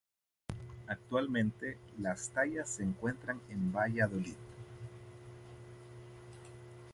Actualmente las tallas se encuentran en Valladolid.